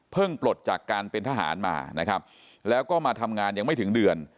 ปลดจากการเป็นทหารมานะครับแล้วก็มาทำงานยังไม่ถึงเดือน